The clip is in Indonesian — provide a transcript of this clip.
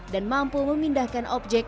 dan mampu memindahkan objek